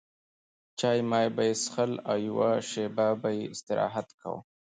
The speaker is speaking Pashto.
چای مای به یې څښل او یوه شېبه به یې استراحت کاوه.